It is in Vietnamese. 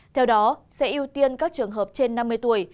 theo đó sẽ ưu tiên các trường hợp trên năm mươi tuổi